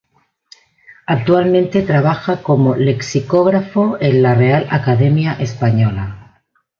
Actualmente trabaja como lexicógrafo en la Real Academia Española.